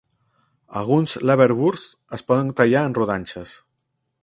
Alguns leberwursts es poden tallar en rodanxes.